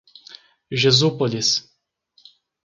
Jesúpolis